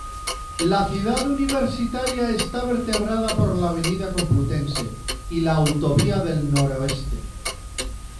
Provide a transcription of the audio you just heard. La Ciudad Universitaria está vertebrada por la Avenida Complutense y la autovía del Noroeste.